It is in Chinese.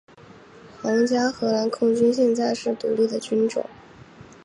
皇家荷兰空军现在是独立的军种。